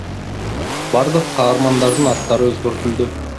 Бардык каармандардын аттары өзгөртүлдү.